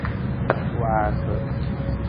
Waasa.